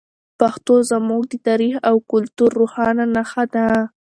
پښتو زموږ د تاریخ او کلتور روښانه نښه ده.